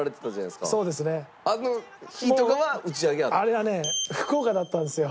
あれはね福岡だったんですよ。